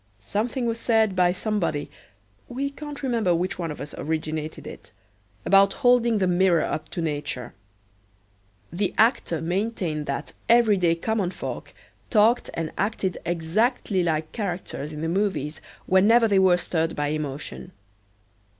Something was said by somebody (we can't remember which one of us originated it) about holding the mirror up to nature. The actor maintained that everyday common folk talked and acted exactly like characters in the movies whenever they were stirred by emotion.